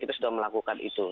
kita sudah melakukan itu